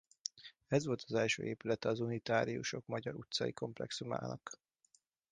Ez volt az első épülete az unitáriusok Magyar utcai komplexumának.